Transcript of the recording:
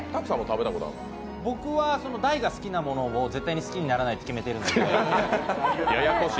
僕は大が好きなものを、絶対に好きにならないって決めてるので。